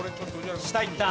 下いった。